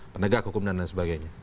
penegak hukum dan sebagainya